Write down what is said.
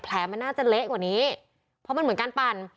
มันน่าจะเละกว่านี้เพราะมันเหมือนการปั่น